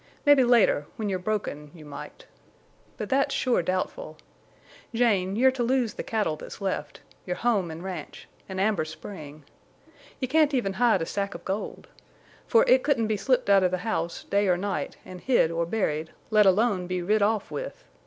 Mebbe later, when you're broken, you might. But that's sure doubtful. Jane, you're to lose the cattle that's left—your home an' ranch—an' Amber Spring. You can't even hide a sack of gold! For it couldn't be slipped out of the house, day or night, an' hid or buried, let alone be rid off with.